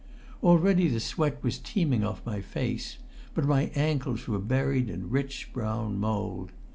Already the sweat was teeming off my face, but my ankles were buried in rich brown mould.